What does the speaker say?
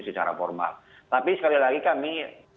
secara formal tapi sekali lagi kami